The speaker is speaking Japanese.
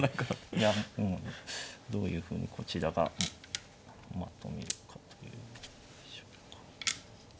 いやもうどういうふうにこちらがまとめるかという将棋か。